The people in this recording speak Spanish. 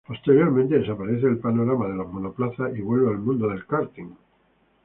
Posteriormente desaparece del panorama de los monoplazas y vuelve al mundo del karting.